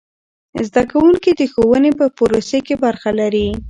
زده کوونکي د ښوونې په پروسې کې برخه لري.